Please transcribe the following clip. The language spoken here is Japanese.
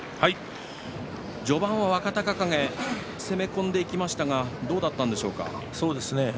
序盤は若隆景攻め込んでいきましたがどうだったんでしょうか。